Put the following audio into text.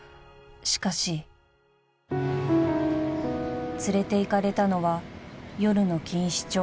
［しかし］［連れていかれたのは夜の錦糸町］